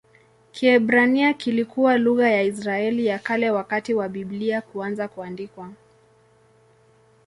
Kiebrania kilikuwa lugha ya Israeli ya Kale wakati wa Biblia kuanza kuandikwa.